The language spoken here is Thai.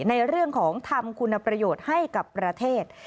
ในเรื่องของทำคุณประโยชน์ให้กับประเทศ